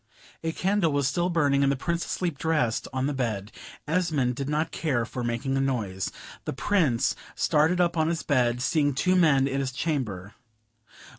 A candle was still burning, and the Prince asleep dressed on the bed Esmond did not care for making a noise. The Prince started up in his bed, seeing two men in his chamber.